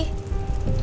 kenapa masih aja